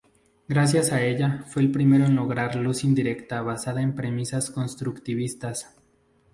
Gracias a ella, fue el primero en lograr luz indirecta basado en premisas constructivistas.